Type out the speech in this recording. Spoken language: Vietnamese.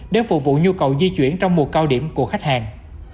để phục vụ nhu cầu di chuyển trong mùa cao điểm của khách hàng